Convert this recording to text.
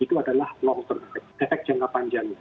itu adalah efek jangka panjang